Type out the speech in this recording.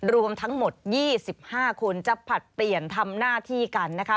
รวมทั้งหมด๒๕คนจะผลัดเปลี่ยนทำหน้าที่กันนะคะ